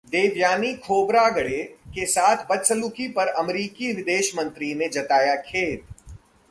देवयानी खोबरागड़े के साथ बदसलूकी पर अमेरिकी विदेश मंत्री ने जताया खेद